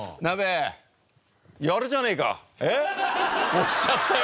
押しちゃったよ。